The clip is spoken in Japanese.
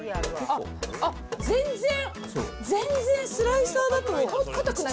あ、全然、全然スライサーだと硬くない。